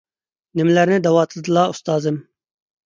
نېمىلەرنى دەۋاتىدىلا، ئۇستازىم.